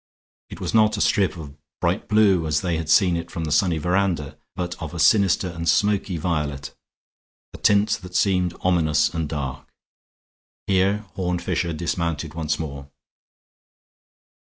It was not a strip of bright blue as they had seen it from the sunny veranda, but of a sinister and smoky violet, a tint that seemed ominous and dark. Here Horne Fisher dismounted once more.